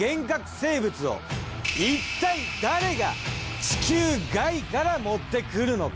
生物をいったい誰が地球外から持ってくるのか。